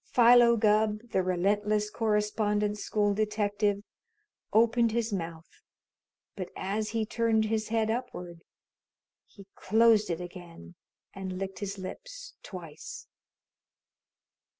Philo Gubb, the relentless Correspondence School detective, opened his mouth, but as he turned his head upward, he closed it again and licked his lips twice.